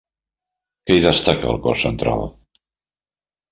Què hi destaca al cos central?